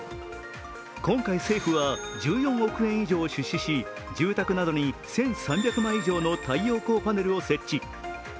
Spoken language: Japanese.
今回政府は、１４億円以上出資し住宅などに１３００枚以上の太陽光パネルを設置。